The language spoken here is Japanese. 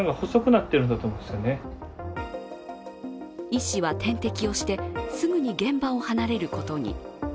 医師は点滴をして、すぐに現場を離れることに。